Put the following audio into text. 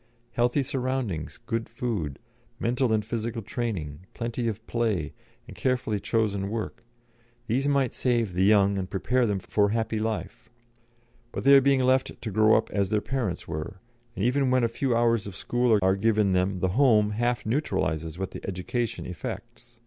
Healthy surroundings, good food, mental and physical training, plenty of play, and carefully chosen work these might save the young and prepare them for happy life. But they are being left to grow up as their parents were, and even when a few hours of school are given them the home half neutralises what the education effects.